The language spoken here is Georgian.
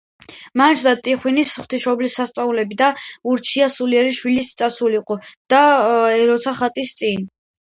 მან იცოდა ტიხვინის ღვთისმშობლის სასწაულები და ურჩია სულიერ შვილს, წასულიყო და ელოცა ხატის წინ.